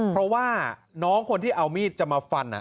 เพราะว่าน้องคนที่เอามีดจะมาฟัน